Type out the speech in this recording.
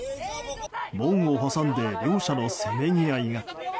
門を挟んで両者のせめぎ合いが。